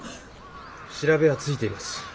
調べはついています。